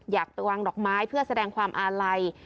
อยากไปวางดอกไม้เพื่อแสดงความอาลัย